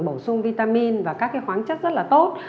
bổ sung vitamin và các khoáng chất rất là tốt